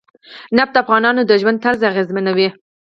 نفت د افغانانو د ژوند طرز اغېزمنوي.